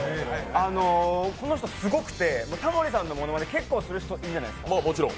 この人すごくて、タモリさんのものまね結構する人っているじゃないですか。